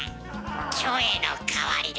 「キョエのかわりだ」。